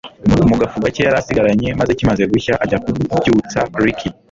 mu gafu gake yari asigaranye maze kimaze gushya ajya kubyutsa Ricky